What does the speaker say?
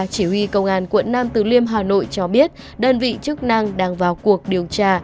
quỹ công an quận năm từ liêm hà nội cho biết đơn vị chức năng đang vào cuộc điều tra